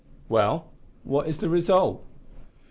"Well, what is the result?"